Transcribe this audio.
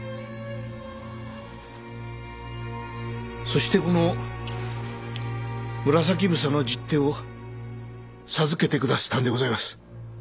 そしてこの紫房の十手を授けて下すったんでございます。